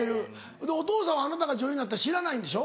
お父さんはあなたが女優になったの知らないんでしょ？